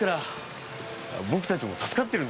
僕たちも助かってるんですよ。